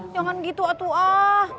jangan gitu atuah